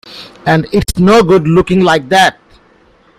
And it's no good looking like that.